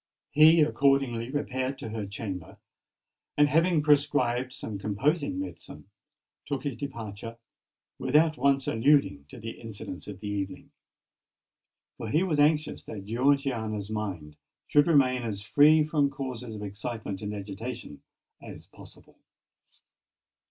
He accordingly repaired to her chamber, and having prescribed some composing medicine, took his departure, without once alluding to the incidents of the evening; for he was anxious that Georgiana's mind should remain as free from causes of excitement and agitation as possible.